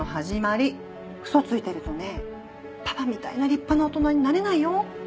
嘘ついてるとねパパみたいな立派な大人になれないよ。